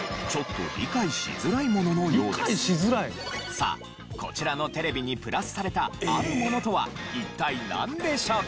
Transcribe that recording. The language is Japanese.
さあこちらのテレビにプラスされたあるものとは一体なんでしょうか？